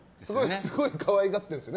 すごい可愛がってるんですよね